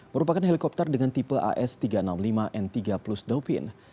merupakan helikopter dengan tipe as tiga ratus enam puluh lima n tiga plus dopin